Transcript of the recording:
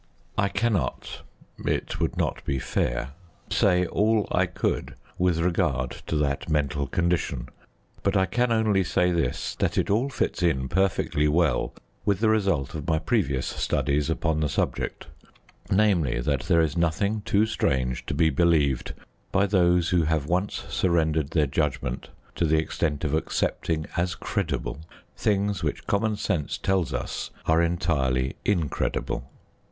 I cannot it would not be fair say all I could with regard to that mental condition; but I can only say this, that it all fits in perfectly well with the result of my previous studies upon the subject, namely, that there is nothing too strange to be believed by those who have once surrendered their judgment to the extent of accepting as credible things which common sense tells us are entirely incredible.